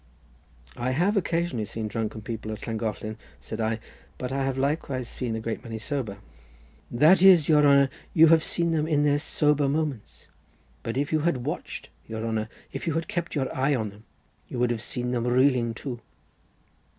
"I have occasionally seen drunken people at Llangollen," said I, "but I have likewise seen a great many sober." "That is, your honour, you have seen them in their sober moments; but if you had watched, your honour, if you had kept your eye on them, you would have seen them reeling too."